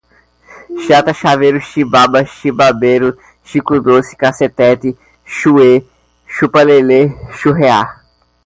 chata, chaveiro, chibaba, chibabeiro, chico doce, cassetete, chué, chupa lelé, churrear